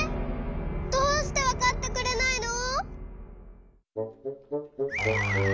どうしてわかってくれないの！？